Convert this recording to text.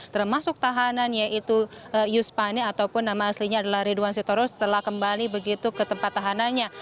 termasuk tahanan yaitu yus pane ataupun nama aslinya adalah ridwan sitorus telah kembali begitu ke tempat tahanannya